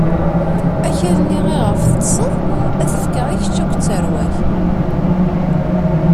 Akal-nni iɣef teṭṭṣeḍ, ad t-fkeɣ i kečč akked tarwa-k.